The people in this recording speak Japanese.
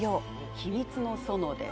秘密の園です。